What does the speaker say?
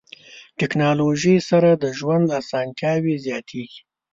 ټکنالوژي سره د ژوند اسانتیاوې زیاتیږي.